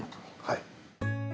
はい。